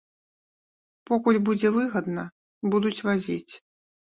Покуль будзе выгадна, будуць вазіць.